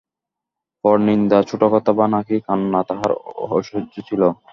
পরনিন্দা, ছোটো কথা বা নাকি কান্না তাঁহার অসহ্য ছিল।